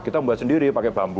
kita buat sendiri pakai bambu